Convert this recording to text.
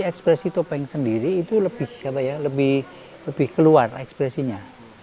ekspresi topeng sendiri itu lebih keluar ekspresinya